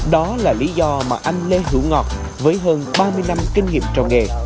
đó là lý do mà anh lê hữu ngọt với hơn ba mươi năm kinh nghiệm trồng nghề